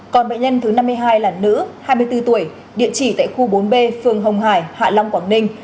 còn bệnh nhân thứ năm mươi hai là nữ hai mươi bốn tuổi địa chỉ tại khu bốn b phường hồng hải hạ long quảng ninh